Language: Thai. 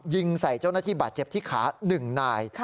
ยิงใส่เจ้าหน้าที่บาดเจ็บที่ขา๑นาย